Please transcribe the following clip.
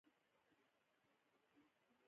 پښتانه لیکوالان د ساینس په برخه کې ښه اثار لري.